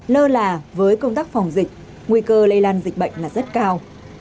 lơ là với công tác phòng dịch nguy cơ lây lan dịch bệnh là rất cao